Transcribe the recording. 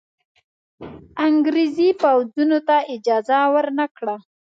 انګرېزي پوځونو ته اجازه ورنه کړه.